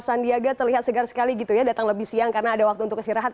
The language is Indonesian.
sandiaga terlihat segar sekali gitu ya datang lebih siang karena ada waktu untuk istirahat